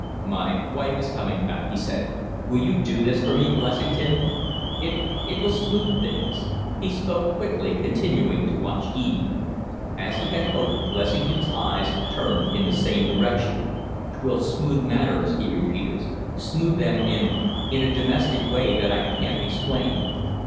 "My wife is coming back," he said. "Will you do this for me, Blessington? It it will smooth things " He spoke quickly, continuing to watch Eve. As he had hoped, Blessington's eyes turned in the same direction. "'Twill smooth matters," he repeated, "smooth them in in a domestic way that I can't explain."